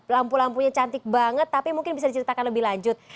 lampu lampunya cantik banget tapi mungkin bisa diceritakan lebih lanjut